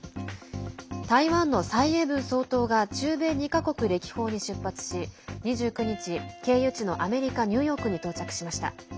台湾の蔡英文総統が中米２か国歴訪に出発し２９日、経由地のアメリカ・ニューヨークに到着しました。